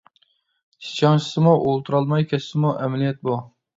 چىچاڭشىسىمۇ، ئولتۇرالماي كەتسىمۇ ئەمەلىيەت بۇ.